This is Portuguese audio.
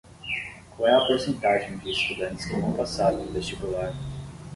Qual é a porcentagem de estudantes que não passaram no vestibular?